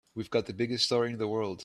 We've got the biggest story in the world.